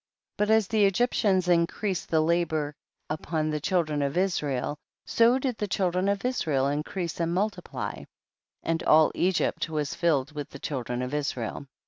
9. But as the Egyptians increased the labor upon the children of Israel, so did the children of Israel increase and multiply, and all Egypt was fill ed with the children of Israel.